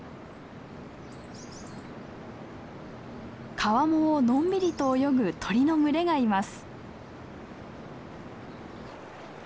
川面をのんびりと泳ぐ鳥の群れがいます。